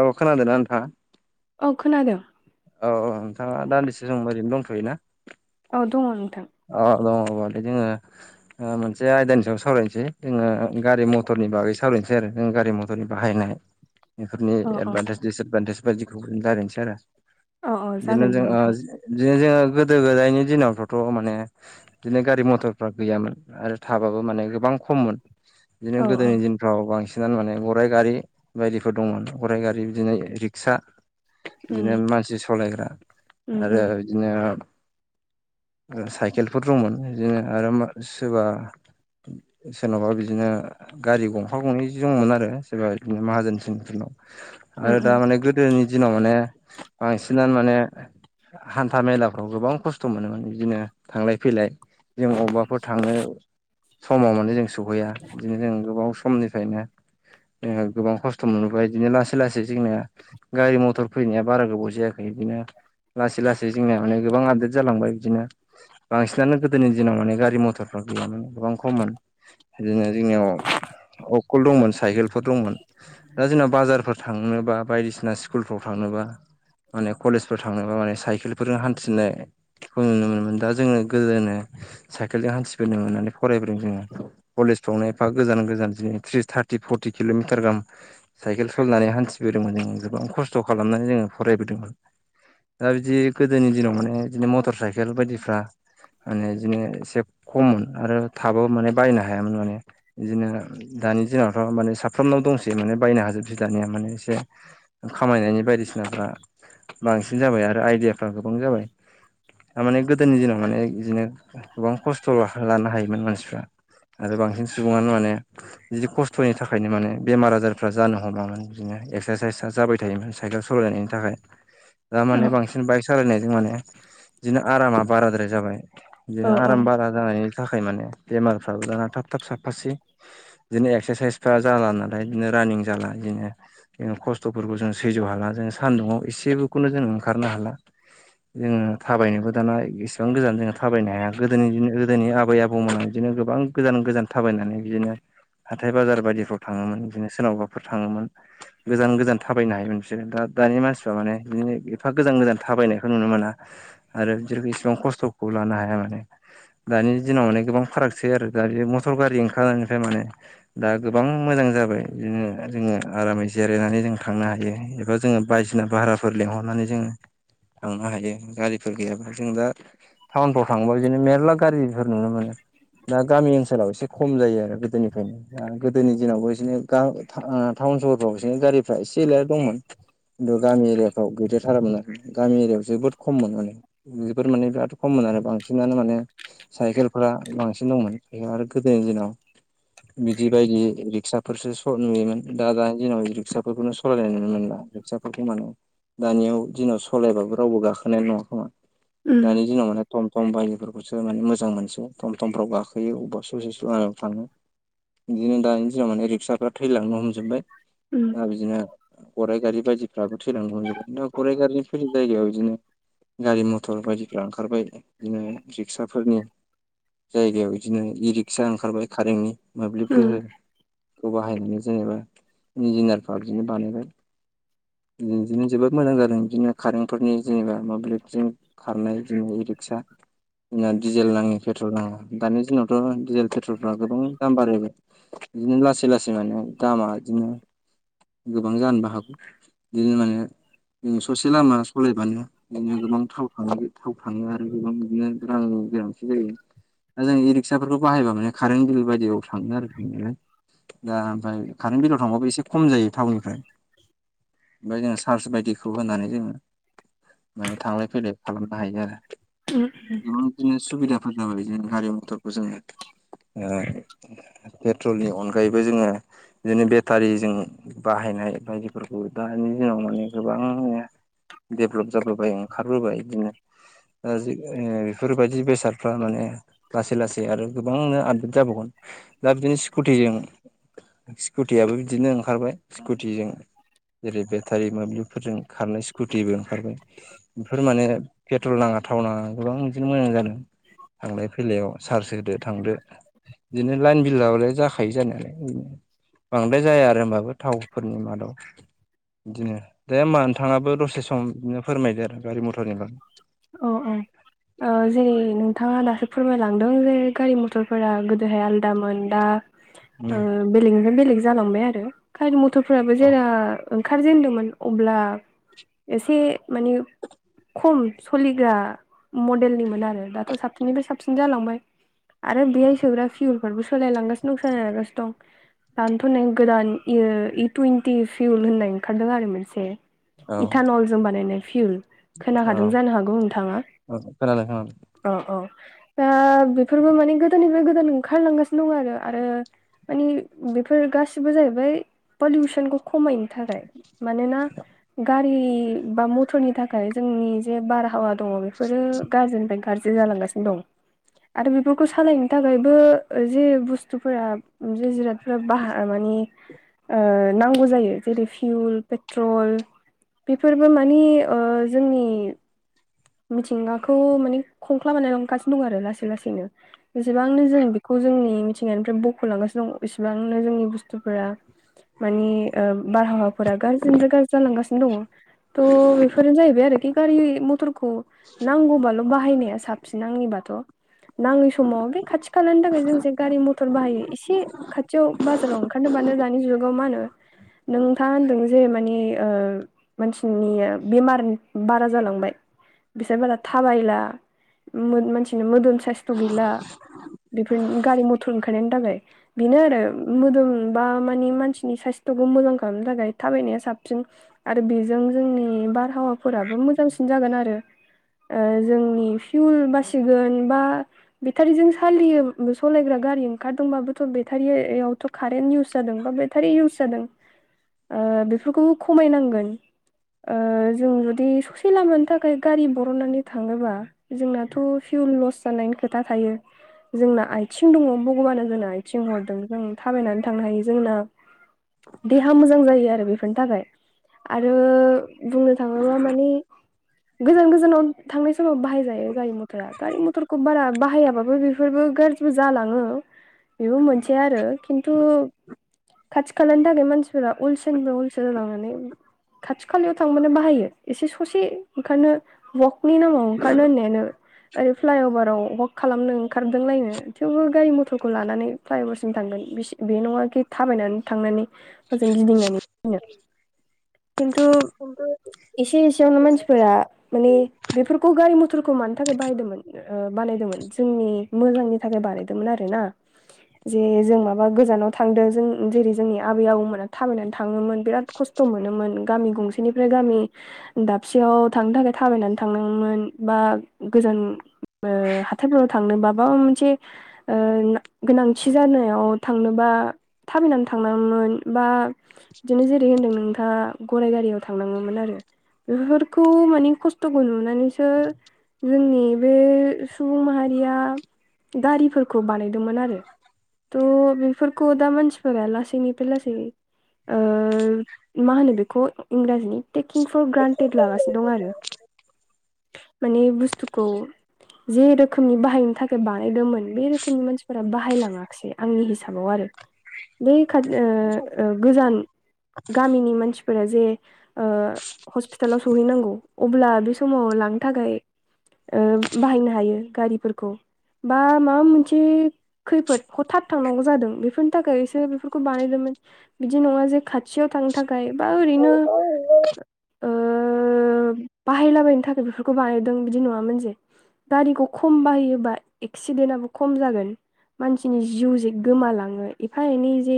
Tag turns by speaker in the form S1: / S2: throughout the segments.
S1: औ खोनादोंना नोंथाङा
S2: औ खोनादों
S1: औ औ नोंथाङा दान्दिसे सम ओरैनो दंथ'योना
S2: औ दङ नोंथां
S1: अ दङबालाय जोंङो मोनसे आयदानि सायाव सावरायनोसै जोङो गारि मथरनि बागै सावरायनोसै आरो जों गारि मथरनि बाहायनाय [inaudible] बेफोरनि
S2: औ औ
S1: एदभान्टेज दिसएदभान्टेज बायदिखौ जों रायलायनोसै आरो
S2: औ औ
S1: बिदिनो
S2: जागोन
S1: जों ओ
S2: नोंथां
S1: बिदिनो जोङो गोदो गोदायनि दिनाव थ'थ' मोन माने बिदिनो गारि मथरफ्रा गैयामोन आरो थाबाबो माने गोबां खममोन बिदिनो
S2: औ औ
S1: गोदोनि दिन फ्राव बांसिनानो माने गराइ गारि बायदिफोर दंमोन गराइ गारि बिदिनो रिक्सा
S2: उम
S1: बिदिनो मानसि सालायग्रा
S2: उम उम
S1: आरो बिदिनो साइकेलफोर दंमोन बिदिनो आरो सोरबा सोरनावबा बिदिनो गारि गंफा गंनै दंमोन आरो सोरबा बिदिनो माहाजोन सिनफोरनाव
S2: उम
S1: आरो दा
S2: उम
S1: माने गो- -दोनि दिनाव माने बांसिनानो माने हान्था मेलाफ्राव गोबां खस्थ' मोनो माने बिदिनो थांलाय फैलाय जों अबेबाफोर थांनो समाव माने जों सौहैया बिदिनो जों गोबाव समनिफ्रायनो जोंङो गोबां खस्थ' मोनोबोबाय बिदिनो लासै लासै जोंनिया गारि मथर फैनाया बारा गोबाव जायाखै बिदिनो लासै लासै जोंनिया माने गोबां आपदेट जालांबाय बिदिनो बांसिनानो गोदोनि दिनाव माने गारि मथरफ्रा गैयामोन गोबां खममोन बिदिनो जोंनियाव अखल दंमोन साइकेलफोर दंमोन दा जोंनाव बाजारफोर थांनोबा बायदिसिना स्कुलफ्राव थांनोबा माने कलेजफोर थांनोबा माने साइकेलफोरजों हान्थिनायखौ नुनो मोनो दा जोङो गोदोनो साइकेलजों हान्थिबोननो मोननानै फरायबोदों जोङो कलेजफ्रावनो एफा गोजान गोजान बिदिनो थ्रि थार्टि फर्टि किल'मिटार गाहाम साइकेल सालायनानै हान्थिबोदोंमोन जोङो गोबां खस्थ' खालामनानै जोङो फरायबोदोंमोन दा बिदि गोदोनि दिनाव माने बिदिनो मटर साइकेल बायदि फ्रा माने बिदिनो एसे खममोन आरो थाबाबो माने बायनो हायामोन माने बिदिनो दानि दिनावथ' माने साफ्रोमनाव दंसै माने बायनो हाजोबसै दानिया माने एसे खामायनायनि बायदिसिनाफ्रा बांसिन जाबाय आरो आइदियाफ्रा गोबां जाबाय थारमाने गोदोनि दिनाव माने बिदिनो गोबां खस्थ' लानो हायोमोन मानसिफ्रा। आरो बांसिन सुबुङानो माने बिदि खस्थ'नि थाखायनो माने बेमार आजारफ्रा जानो हमामोन बिदिनो एक्सारसाइसआ जाबाय थायोमोन। साइकेल सालायनायनि थाखाय दा
S2: औ
S1: माने बांसिन बाइक सालायनायजों माने बिदिनो आराम बाराद्राय जाबाय
S2: औ
S1: बिदिनो
S2: औ
S1: आराम बारा जानायनि थाखाय माने बेमारफ्राबो दाना थाब थाब साफासे बिदिनो एक्सारसाइसफ्रा जाला नालाय बिदिनो रानिं जाला बिदिनो जोङो खस्थ'फोरखौ जों सैज्य हाला जों सान्दुुंआव एसेबोखौनो जों ओंखारनो हाला। जोङो थाबायनोबो दाना इसेबां गोजान जोङो थाबायनो हाया गोदनि गोदोनि आबै आबौमोनाव बिदिनो गोबां गोजान गोजान थाबायनानै बिदिनो हाथाय बाजार बायदिफ्राव थाङोमोन बिदिनो सोरनावबाफोर थाङोमोन। गोजान - गोजान थाबायनो हायोमोन बिसोर दा दानि मानसिफ्रा माने बिदिनो एफा गोजान - गोजान थाबायनायखौ नुनो मोना। आरो बिसोर‌ इसेबां खस्थ'खौ लानो हाया माने। दानि दिनाव माने गोबां फारागसै आरो दा बे मथर गारि ओंखारनायनिफ्राय माने दा गोबां मोजां जाबाय बिदिनो जोङो आरामै जिरायनानै जों थांनो हायो एबा जोङो बायदिसिना भाराफोर लिंहरनानै जोङो थांनो हायो गारिफोर गैयाबा जों दा टाउनफ्राव थांबा बिदिनो मेरला गारिफोर नुनो मोनो दा गामि ओनसोलाव सोलाव एसे खम जायो आरो गोदोनिफ्रायनो दा गोदोनि दिनावबो बिसनो ओ टाउन सहरफ्राव बिदिनो गारिफ्रा एसे एल दंमोन। खिन्थु गामि एरियाफ्राव गैद्रायथारामोन आरो गामि एरियाायाव जोबोद खममोन माने। बेफोर माने बिराद खममोन आरो बांसिनानो माने साइकेलफ्रा बांसिन दंमोन आरो गोदोनि दिनाव बिदि बायदि रिक्साफोरसो नुयोमोन दा दानि ज दिनाव रिक्साफोरखौनो सालायनाय नुनो मोना रिसा बेफोरखौ माने दानियाव दिनाव सालायबाबो रावबो गाखोनाय नङा खोमा
S2: उम
S1: दानि दिनाव माने थटम थटम बायफोरखौसो माने मोजां मोनसै थटम थमाव गाखोयो अबेबा स' स स' आयाव थाङो। बिदिनो दानि दिनाव माने रिक्साफ्रा थैलांनो हमजोबबाय।
S2: उ।
S1: दा बिदिनो गराइगारि बायदिफ्राबो थैलांनो हमजोबबाय दा गराइगारिनि फैनाय जायगायाव बिदिनो गारि मथर बायदिफ्रा ओंखारबाय बिदिनो रिक्साफोरनि जायगायाव बिदिनो इ रिक्सा ओंखारबाय कारेन्टनि मोब्लिब
S2: उम
S1: गोहो खौ बाहायनानै जेनेबा इन्जिनियारफ्रा बिदिनो बानायबाय बि बिदिनो जोबोद मोजां जादों बिदिनो कारेन्टफोरनि जेनेबा मोब्लिबजों खारनाय गोनां रिक्सा। जोंना डिजेल नाङो पेट्रल नाङा दानि दिनावथ' डिजेल पेट्रलफ्रा गोबां दाम बारायबाय। बिदिनो लासै लासै माने दामा बिदिनो गोबां जानोबो हागौ। बिदिनो माने जों ससे लामा सालायबानो बिदिनो गोबांथाव थाङ थाव थाङो आरो गोबां बिदिनो रां गोनांसिन जायो। दा जों इ रिक्साफोरखौ बाहायबा माने कारेन्ट बिल बायदियाव थाङो आरो थांनायलाय दा ओमफ्राय कारेन्ट बिलाव थांबाबो एसे खम जायो टाउननिफ्राय। ओमफ्राय जोङो चार्स बायदिखौ होननानै जोङो माने थांलाय -फैलाय खालामनो हायो आरो।
S2: उ।
S1: गोबां बिदिनो सुबिदाफोर जाबाय जों हारि मथरखौ जोङो पेट्रलनि अनगायैबो जोङो बिदिनो बेटारिजों बाहायनाय बायदिफोरखौ दानि दिनाव माने गोबां देभलप जाबोबाय ओंखारबोबाय बिदिनो ओ बेफोरबायदि बेसादफ्रा माने लासै लासै आरो गोबां आपडेट जाबावगोन दा बिदिनो स्कुटिजों स्कुटियाबो बिदिनो ओंखारबाय स्कुटिजों जेरै बेटारि मोब्लिबफोरजों खारनाय स्कुटिबो ओंखारबाय। बेफोर माने पेट्रल नाङा थाव नाङा गोबां बिदिनो मोजां जादों। थांलाय फैलायाव सार्ज होदो थांदो। बिदिनो लाइन बिलाबालाय जाखायो जानायालाय बिनो बांद्राय जाया आरो होमबाबो थावफोरनि मादाव बिदिनो दे होमबा नोंथाङाबो दसे सम बिदिनो फोरमायदो आरो गारि मथरनि बागै
S2: अ औ ओ जेरै नों नोंथाङा दासो फोरमायलांदों जे गारि मथरफोरा गोदोहाय आलदामोन दा ओ
S1: उम
S2: बेलेगनिफ्राय बेलेग जालांबाय आरो गारि मथरफोराबो
S1: औ
S2: जेरा ओंखारजेनदोंमोन अब्ला एसे माने खम सलिग्रा मडेलनिमोन आरो दाथ' साबसिननिफ्राय साबसिन जालांबाय। आरो बेहाय सोग्रा फिउरफोरबो सोलायलांगासिनो दं सोलायलांगासिनो दं। दानोथ' नै गोदान इ टुइन्टि फिउल होननाय ओंखारदों आरो मोनसे।
S1: औ
S2: इथान'ल जों बानायनाय फिउल
S1: [unintelligible]
S2: खोनाखादों जानो हागौ नोंथाङा
S1: खोनादों खोनादों
S2: औ औ दा बेफोरबो माने गोदाननिफ्राय गोदान ओंखारलांगासिनो दं आरो आरो मानि बेफोर गासिबो जाहैबाय पलिउसनखौ खमायनो थाखाय मानोना गारि बा मथरनि थाखाय जोंनि जे बारहावा दङ बेफोरो गाज्रिनिफ्राय गाज्रि जालांगासिनो दं आरो बेफोरखौ सालायनो थाखायबो जे बुस्थुफोरा जे जिरादफोरा बाह मानि ओ नांगौ जायो जेरै फिउल पेट्रल बेफोरबो मानि ओ जोंनि मिथिंगाखौ माने खंख्ला बानायलांगासिनो दं आरो लासै लासैनो। बेसेबांनो जों बेखौ जोंनि मिथिंगानिफ्राय बख'लांगासिनो दं इसेबांनो जोंनि बुस्थुफोरा मानि ओ बारहावाफोरा गाज्रिनिफ्राय गाज्रि जालांगासिनो दङ। थ' बेफोरनो जाहैबाय आरोखि गारि मथरखौ नांगौबाल' बाहायनाया साबसिन आंनिबाथ' नाङै समाव बे खाथि खालानि थाखाय जों जे गारि मथर बाहायो एसे खाथियाव बाजार ओंखारनो बानो दानि जुगाव मा होनो नोंथाङा होनदों [unintelligible] जे माने ओ मानसिनि बेमार बारा जालांबाय। बिसोर बारा थाबायला मानसिनो मोदोम साइसथ' गैला। बेफोर गारि मथर ओंखारनायनि थाखाय बेनो आरो मोदोम बा मानि मानसिनि साइस्थ'खौ मोजां खालामनो थाखाय थाबायनाया साबसिन आरो बेजों जोंनि बारहावाफोराबो मोजांसिन जागोन आरो ओ जोंनि फिउल बासिगोन बा बेटारिजों सालियो सलायग्रा गारि ओंखारदोंबाबोथ' बेटारियावथ' कारेन्ट इउस जादों बा बेटारि इउस जादों। ओ बेफोरखौबो खमायनांगोन ओ जों जुदि ससे लामानि थाखाय गारि बरननानै थाङोबा जोंनाथ' फिउल लस जानायनि खोथा थायो। जोंना आयथिं दङ भगबाना जोंना आथिं हरदों जों थाबायनानै थांनो हायो जोंना देहा मोजां जायो आरो बेफोरनि थाखाय आरो बुंनो थाङोबा मानि गोजान गोजानाव थांनाय समाव बाहायजायो गारि मथरा गारि मथरखौ बारा बाहायाबाबो बेफोरबो गाज्रि जालाङो बेबो मोनसे आरो खिन्थु खाथि खालानि थाखाय मानसिफोरा अलसियानिफ्राय अलसिया जालांनानै खाथि खालायाव थांबानो बाहायो एसे खौसे ओंखारनो वकनि नामाव ओंखारनो होननायानो ओरै फ्लाइअभाराव वाक खालामनो ओंखारदोंलायनो थेवबो गारि मथरखौ लानानै फ्लाइअभारसिम थांगोन बे बे नङाखि थाबायनानै थांनानै जों गिदिंनानै फैनो खिन्थु एसे एसे खाथियावनो मानसिफोरा माने बेफोरखौ गारि मथरखौ मानो थाखाय बाहायदोंमोन बानायदोंमोन जोंनि मोजांनि थाखाय बानायदोंमोन आरो ना जे जों माबा गोजानाव थांदों जों जेरै जोंनि आबै आबौमोना थाबायनानै थाङोमोन बिराद खस्थ' खस्थ' मोनोमोन गामि गंसेनिफ्राय गामि दाबसेयाव थांनो थाखाय थाबायनानै थांनांगोममोन बा गोजान हाथायफोराव थांनोब माबा मोनसे ओ गोनांथि जानायाव थांनोबा थाबायनानै थांनां‌ङोमोन बा बिदिनो जेरै होनदों नोंथाङा गरायाइ गारियाव थांनाङोमोन आरो बेफोरखौ माने खस्थ'खौ नुनानैसो जोंनि बे सुबुं माहारिया गारिफोरखौ बानायदोंमोन आरो थ' बेफोरखौ दा मानसिफोरा लासैनि बे लासैनो ओ मा होनो बेखौ इंराजिनि टेकिं फर ग्रान लागासिनो दं आरो माने बुस्थुखौ जे रोखोमनि बाहायनो थाखाय बानायदोंमोन बे रोखोमनि मानसिफोरा बाहायलाङा माखासे आंनि हिसाबाव आरो बे खा ओ गोजान गामिनि मानसिफोरा जे ओ हस्पिटालाव सहैनांगौ अब्ला बे समाव लांनो थाखाय ओ बाहायनो हायो गारिफोरखौ बा माबा मोनसे खैफोद हथारथावनांगौ जादों बेफोरनि थाखाय एसो बेफोरखौ बानायदोंमोन बिदि नङा जे खाथियाव थांनो थाखाय बा ओरैनो ओ
S1: ज [inaudible]
S2: बाहायलाबायनो थाखाय बेफोरखौ बाहदों बिदि नुङामोन जे गारिखौ खम बाहायोबा एक्सिडेन्टआबो खम जागोन मानसिनि जिउ जे गोमालाङो एफा एनै जे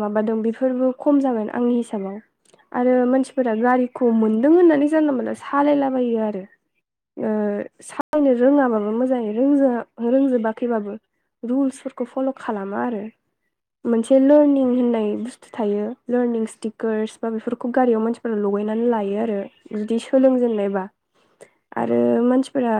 S2: माबा दं बेफोरबो खम जागोन आंनि हिसाबाव आरो मानसिफोर आ गारिखौ मोनदों होननानै जानला मोनानला सालायलाबायो आरो ओ सालायनो रोङाबाबो मोजाङै रोंज रोंजोबाखैबाबो रुल्सफोरखौ फल' खालामा आरो मोनसे लारनिं होननाय बुस्थु थायो लारनिं स्टिकारस बा बेफोरखौ गारियावानसि लगायनानै लायो आरो जुदि सोलोंजेननायबा आरो मानसिफोरा